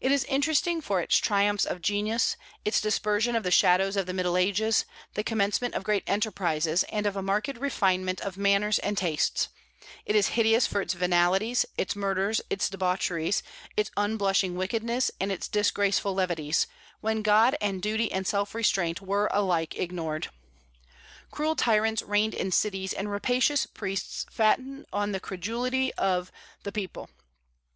It is interesting for its triumphs of genius, its dispersion of the shadows of the Middle Ages, the commencement of great enterprises and of a marked refinement of manners and tastes; it is hideous for its venalities, its murders, its debaucheries, its unblushing wickedness, and its disgraceful levities, when God and duty and self restraint were alike ignored. Cruel tyrants reigned in cities, and rapacious priests fattened on the credulity of the people.